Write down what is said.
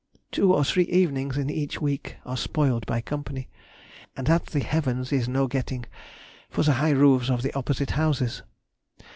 Two or three evenings in each week are spoiled by company. And at the heavens is no getting, for the high roofs of the opposite houses.